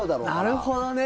なるほどね。